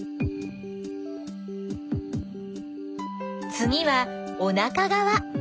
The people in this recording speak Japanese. つぎはおなかがわ。